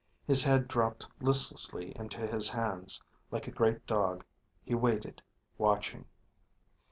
His head dropped listlessly into his hands; like a great dog, he waited, watching.